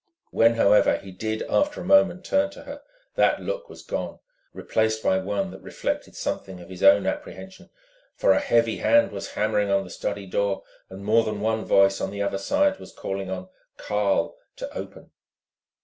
When, however, he did after a moment turn to her, that look was gone, replaced by one that reflected something of his own apprehension; for a heavy hand was hammering on the study door, and more than one voice on the other side was calling on "Karl" to open.